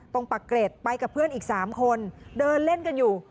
ปักเกร็ดไปกับเพื่อนอีก๓คนเดินเล่นกันอยู่